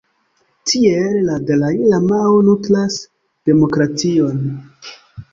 Tiel la dalai-lamao nutras demokration.